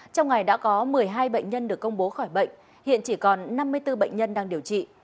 trong ngày đã có một mươi hai bệnh nhân được công bố khỏi bệnh hiện chỉ còn năm mươi bốn bệnh nhân đang điều trị